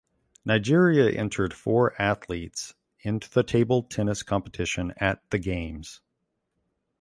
Nigeria entered four athletes into the table tennis competition at the Games.